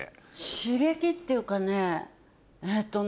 刺激っていうかねえっとね